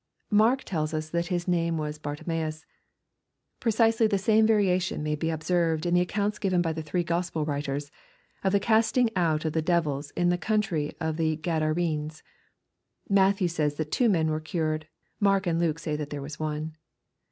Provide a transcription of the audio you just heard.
Mark tells us that his name was Bartimaeus. — Precisely the same variation may be observed in the accounts given by the three Gospel writers of the casting out of the devils in the country of the Gadarenes. Matthew says that two men were cured. Mark and Luke say that there was one.